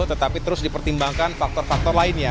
tetapi terus dipertimbangkan faktor faktor lainnya